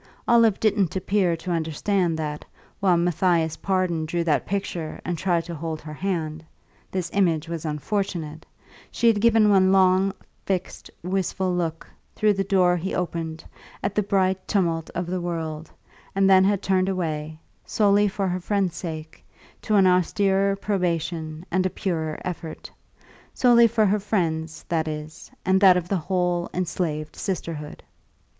Olive didn't appear to understand that, while Matthias Pardon drew that picture and tried to hold her hand (this image was unfortunate), she had given one long, fixed, wistful look, through the door he opened, at the bright tumult of the world, and then had turned away, solely for her friend's sake, to an austerer probation and a purer effort; solely for her friend's, that is, and that of the whole enslaved sisterhood.